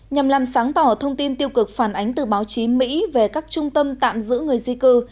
nhằm làm sáng tỏ thông tin tiêu cực phản ánh từ báo chí mỹ về các trung tâm tạm giữ người di cư